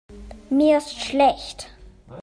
Mir ist schlecht.